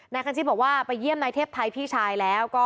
คันชิดบอกว่าไปเยี่ยมนายเทพไทยพี่ชายแล้วก็